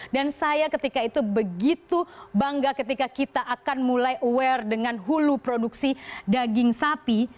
dan saya ketika itu begitu bangga ketika kita akan mulai aware dengan hulu produksi daging sapi